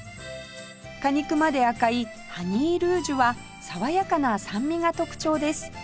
果肉まで赤いハニールージュは爽やかな酸味が特徴です